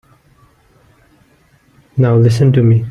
Now listen to me.